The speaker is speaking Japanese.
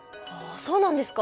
そうなんですか。